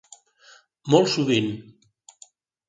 Molt sovint.